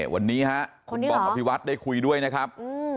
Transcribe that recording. วันนี้คุณบอมอภิวัตได้คุยด้วยนะครับ